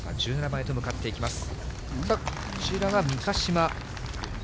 １７番へと向かっていきます。